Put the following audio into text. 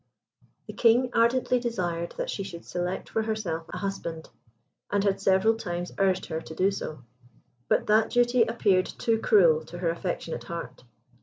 The King ardently desired that she should select for herself a husband, and had several times urged her to do so; but that duty appeared too cruel to her affectionate heart.